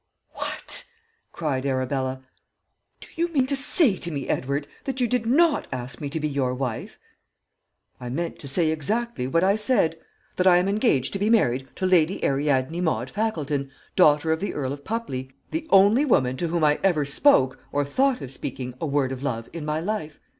"'What!' cried Arabella. 'Do you mean to say to me, Edward, that you did not ask me to be your wife?' "'I meant to say exactly what I said. That I am engaged to be married to Lady Ariadne Maude Fackleton, daughter of the Earl of Pupley, the only woman to whom I ever spoke or thought of speaking a word of love in my life.